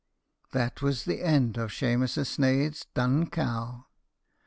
That was the end of Shemus a sneidh's dun cow.